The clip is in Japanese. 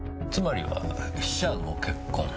つまりは死者の結婚。